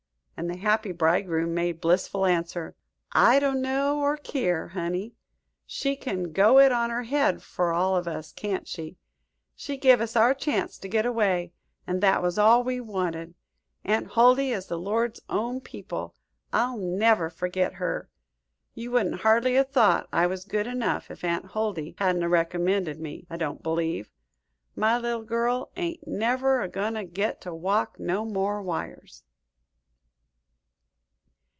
And the happy bridegroom made blissful answer: "I don't know or keer honey. She can go it on her head for all of us, can't she? She give us our chance to get away, and that was all we wanted. Aunt Huldy is the Lord's own people. I'll never forget her. You wouldn't hardly 'a' thought I was good enough, if Aunt Huldy hadn't a recommended me, I don't believe. My little girl ain't never a goin' to get to walk no more wires."